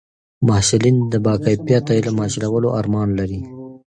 محصلین د با کیفیته علم حاصلولو ارمان لري.